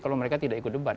kalau mereka tidak ikut debat